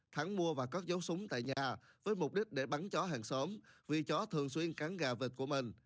thắng mua và cất dấu súng tại nhà với mục đích để bắn chó hàng xóm vì chó thường xuyên cắn gà vịt của mình